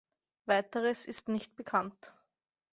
Weiteres ist nicht bekannt.